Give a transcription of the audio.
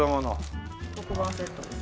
黒板セットです。